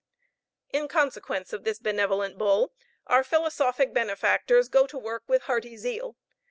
In consequence of this benevolent Bull, our philosophic benefactors go to work with hearty zeal.